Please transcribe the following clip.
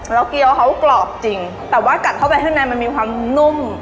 แล้วเกี้ยวเขากรอบจริงแต่ว่ากัดเข้าไปข้างในมันมีความนุ่ม